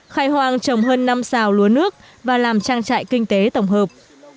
khai hoang trồng hơn năm xào lúa nước và làm trang trại kinh tế tổng hợp